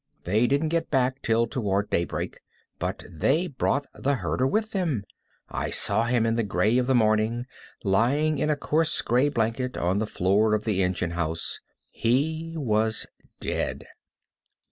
They didn't get back till toward daybreak, but they brought the herder with them, I saw him in the gray of the morning, lying in a coarse gray blanket, on the floor of the engine house. He was dead.